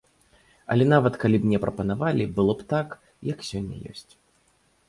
Але нават калі б мне прапанавалі, было б так, як сёння ёсць.